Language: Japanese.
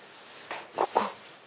ここ。